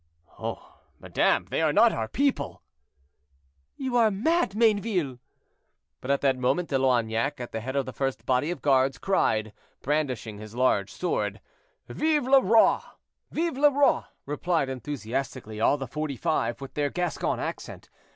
"Oh! madame; they are not our people." "You are mad, Mayneville!" But at that moment De Loignac, at the head of the first body of guards, cried, brandishing his large sword, "Vive le Roi!" "Vive le Roi!" replied enthusiastically all the Forty five, with their Gascon accent.